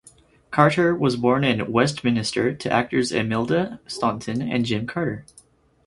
Carter was born in Westminster to actors Imelda Staunton and Jim Carter.